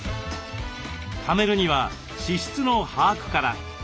ためるには支出の把握から。